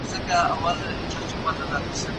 په لاس خط لیکل د زده کوونکي د ژوند کیسه ده.